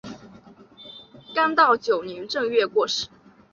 干道九年正月过世。